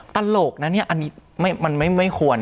ตลกนะอันนี้มันไม่ควร